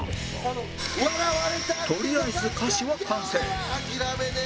とりあえず歌詞は完成